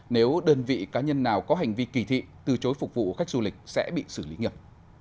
nếu đơn vị cá nhân nào có hành vi kỳ thị từ chối phục vụ khách du lịch sẽ bị xử lý nghiệp